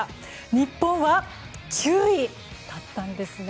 日本は９位だったんですね。